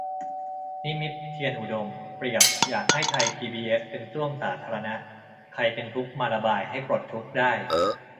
นิมิตร์ เทียนอุดม เปรียบ อยากให้ไทยพีบีเอสเป็นส้วมสาธารณะ ใครเป็นทุกข์มาระบายให้ปลดทุกข์ได้